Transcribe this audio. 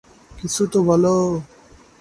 কিছু তো বলো!